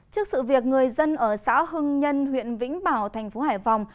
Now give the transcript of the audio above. trước sự việc người dân ở xã hưng nhân huyện vĩnh bảo thành phố hải phòng